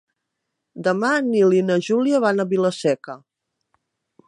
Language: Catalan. Demà en Nil i na Júlia van a Vila-seca.